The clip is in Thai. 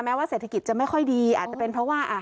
ว่าเศรษฐกิจจะไม่ค่อยดีอาจจะเป็นเพราะว่า